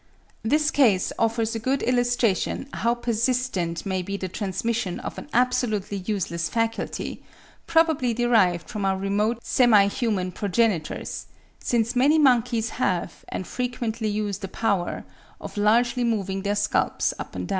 This case offers a good illustration how persistent may be the transmission of an absolutely useless faculty, probably derived from our remote semi human progenitors; since many monkeys have, and frequently use the power, of largely moving their scalps up and down.